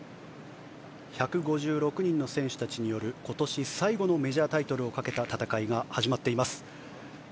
１５６人の選手たちによる今年最後のメジャータイトルをかけた戦いが始まっています。